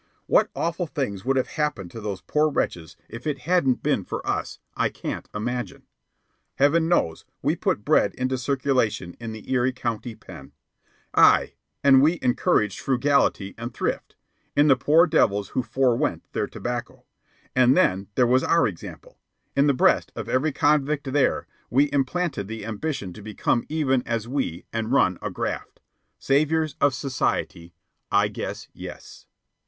What awful things would have happened to those poor wretches if it hadn't been for us, I can't imagine. Heaven knows we put bread into circulation in the Erie County Pen. Ay, and we encouraged frugality and thrift ... in the poor devils who forewent their tobacco. And then there was our example. In the breast of every convict there we implanted the ambition to become even as we and run a graft. Saviours of society I guess yes.